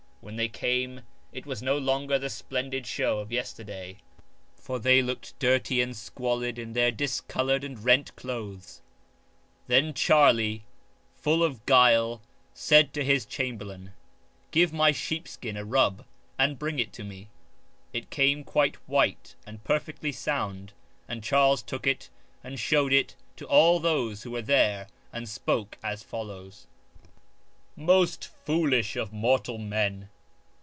When they came it was no longer the splendid show of yesterday ; for they looked dirty and squalid in their discoloured and rent clothes. Then Charles^, full of guile, said to his chamberlain :" Give my sheepskin a rub and bring it to me." It came quite white and perfectly sound and Charles took it and showed it to all those who were there and spoke as follows :—" Most foolish of mortal men